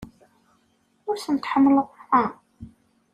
Ur ten-tḥemmleḍ ara?